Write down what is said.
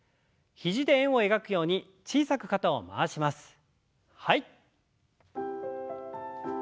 肘で円を描くように小さく肩を回しましょう。